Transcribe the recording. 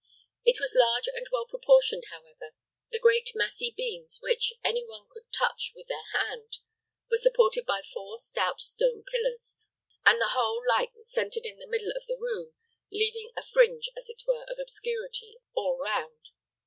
It was large and well proportioned, however. The great massy beams which, any one could touch with their hand, were supported by four stout stone pillars, and the whole light centered in the middle of the room, leaving a fringe, as it were, of obscurity all round.